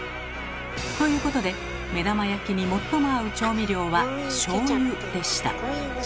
ということで目玉焼きに最も合う調味料はしょうゆでした。